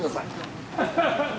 ハハハハッ。